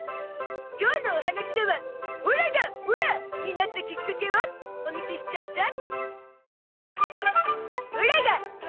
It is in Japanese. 今日のお話ではオラがオラになったきっかけをお見せしちゃうゾ！